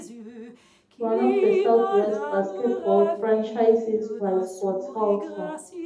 One of the Southwest Basketball franchises was for Tulsa.